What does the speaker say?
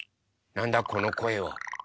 なんだこのこえは。